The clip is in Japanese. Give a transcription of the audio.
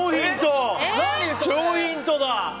超ヒントだ！